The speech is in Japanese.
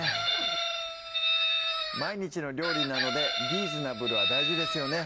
毎日の料理なのでリーズナブルは大事ですよね